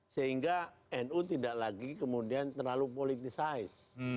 sehingga nu tidak lagi kemudian terlalu politisize